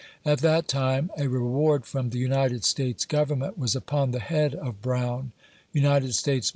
At that time, a reward from the United States governrnent was lipori the head of Brown ; United States "JtTBAIS" FORBES.